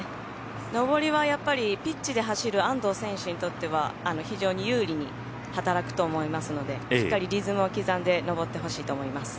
上りはやっぱりピッチで走る安藤選手にとっては非常に有利に働くと思いますのでしっかりリズムを刻んで上ってほしいと思います。